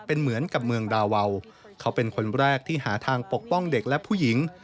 เป็นเหมือนกับเมืองดาวาวเขาเป็นคนแรกที่หาทางปกป้องเด็กและผู้หญิง